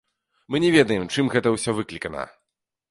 Мы не ведаем, чым гэта ўсё выклікана.